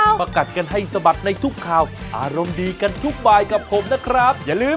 เนอะโทรไปสั่งให้ดีกว่าไม่เป็นไร